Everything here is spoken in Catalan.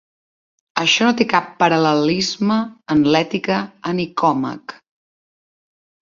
Això no té cap paral·lelisme en l'"Ètica a Nicòmac".